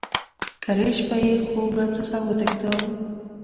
کرۍ شپه یې خوب را څخه وتښتاوه.